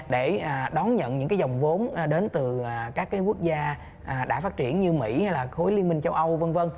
để đón nhận những cái dòng vốn đến từ các cái quốc gia đã phát triển như mỹ hay là khối liên minh châu âu v v